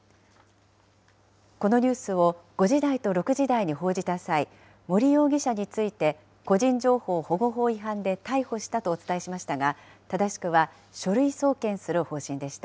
このニュースを５時台と６時台に報じた際、森容疑者について、個人情報保護法違反で逮捕したとお伝えしましたが、正しくは、書類送検する方針でした。